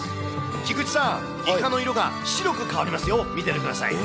菊池さん、イカの色が白く変わりますよ、見ててください。